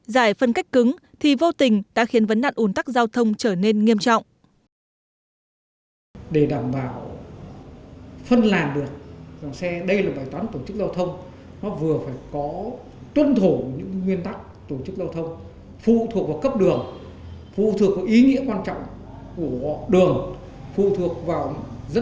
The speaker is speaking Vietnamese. dài phân cách cứng thì vô tình đã khiến vấn đạn ủn tắc giao thông trở nên nghiêm trọng